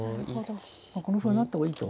この歩は成った方がいいと。